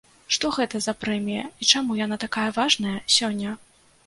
Што гэта за прэмія і чаму яна такая важная сёння?